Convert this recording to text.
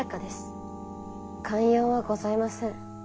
寛容はございません。